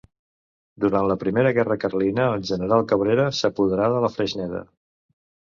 Durant la primera guerra Carlina, el general Cabrera s'apoderà de la Freixneda.